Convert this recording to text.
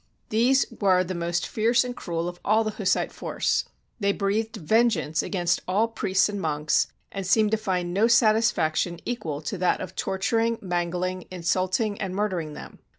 These were the most fierce and cruel of all the Hussite force. They breathed vengeance against all priests and monks, and seemed to find no satisfaction equal to that of torturing, mangling, insulting, and mur dering them.